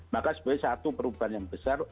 maka sebenarnya satu perubahan yang besar